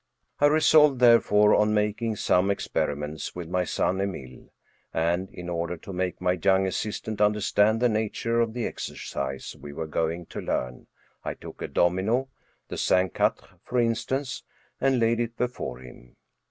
I resolved, therefore, on making some experiments with my son Emile, and, in order to make my young assistant understand the nature of the exercise we were going to learn, I took a domino, the cinq quatre for instance, and laid it before him.